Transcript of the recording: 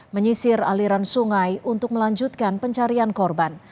menyisir aliran sungai untuk melanjutkan pencarian korban